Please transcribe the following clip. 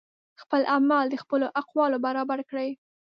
خپل اعمال د خپلو اقوالو برابر کړئ